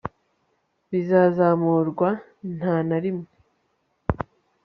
bizazamurwa - nta na rimwe